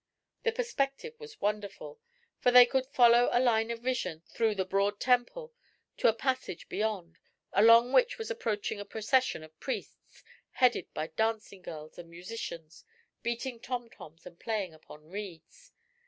The perspective was wonderful, for they could follow a line of vision through the broad temple to a passage beyond, along which was approaching a procession of priests, headed by dancing girls and musicians beating tomtoms and playing upon reeds.